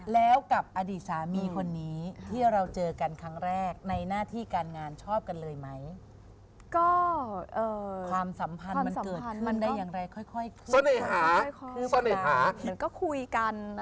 แล้วกับอดีตสามีคนนี้ที่เราเจอกันครั้งแรก